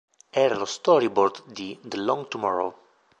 Era lo storyboard di "The Long Tomorrow".